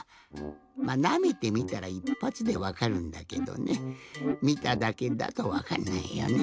まなめてみたらいっぱつでわかるんだけどねみただけだとわかんないよね。